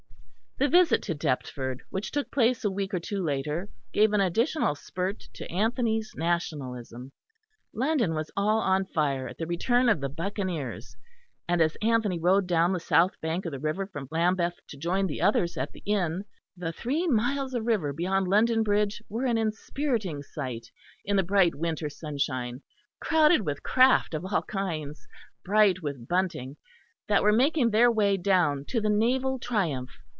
The visit to Deptford, which took place a week or two later, gave an additional spurt to Anthony's nationalism. London was all on fire at the return of the buccaneers, and as Anthony rode down the south bank of the river from Lambeth to join the others at the inn, the three miles of river beyond London Bridge were an inspiriting sight in the bright winter sunshine, crowded with craft of all kinds, bright with bunting, that were making their way down to the naval triumph.